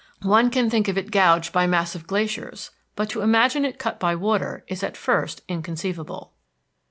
One can think of it gouged by massive glaciers, but to imagine it cut by water is at first inconceivable.